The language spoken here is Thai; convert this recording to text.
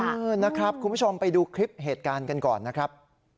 เออนะครับคุณผู้ชมไปดูคลิปเหตุการณ์กันก่อนนะครับ